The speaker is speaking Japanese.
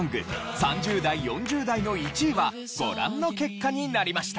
３０代４０代の１位はご覧の結果になりました。